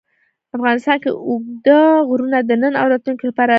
افغانستان کې اوږده غرونه د نن او راتلونکي لپاره ارزښت لري.